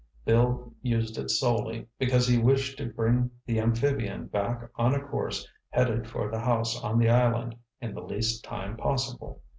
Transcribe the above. Bill used it solely because he wished to bring the amphibian back on a course headed for the house on the island in the least time possible.